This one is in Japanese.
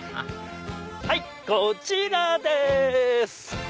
はいこちらです！